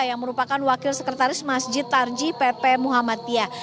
yang merupakan wakil sekretaris masjid tarji pp muhammadiyah